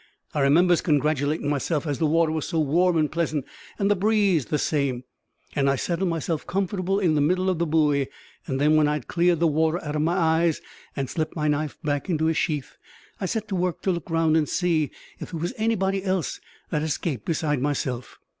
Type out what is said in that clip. I remembers congratulatin' myself as the water was so warm and pleasant, and the breeze the same, as I settled myself comfortable in the middle of the buoy; and then, when I'd cleared the water out of my eyes, and slipped my knife back into his sheath, I set to work to look round and see if there was anybody else that had escaped besides myself.